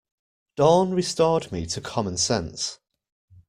Dawn restored me to common sense.